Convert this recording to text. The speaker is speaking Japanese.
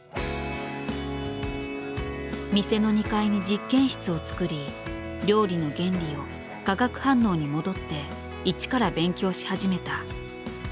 店の２階に実験室を作り料理の原理を化学反応に戻って一から勉強し始めた。